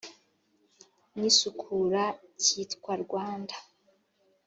n isukura cyitwa Rwanda